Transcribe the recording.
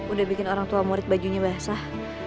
udah bikin orang tua murid bajunya basah